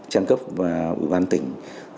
trang cấp và ủy ban tỉnh